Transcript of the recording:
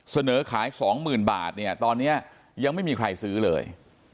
เสนอขาย๒๐๐๐บาทเนี่ยตอนนี้ยังไม่มีใครซื้อเลย